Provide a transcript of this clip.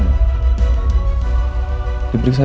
andi dengerin saya mas